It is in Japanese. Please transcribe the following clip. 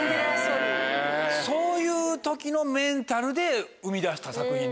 そういう時のメンタルで生み出した作品なんや？